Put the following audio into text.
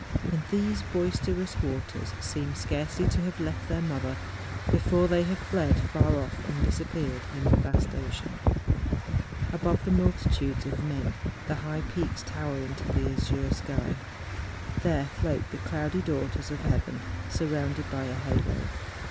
And these boisterous waters seem scarcely to have left their mother before they have fled far off and disappeared in the vast ocean. THE JUNGFRAU. 61 Above the multitudes of men, the high peaks tower into the azure sky. There float the cloudy daughters of heaven surrounded by a halo.